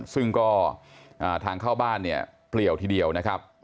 ซึ่งก็ทางเข้าบ้านเนี่ยเปลี่ยวทีเดียวนะครับ